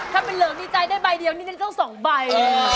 ถ้าเป็นเหลิมดีใจได้ใบเดียวนี่ฉันต้อง๒ใบ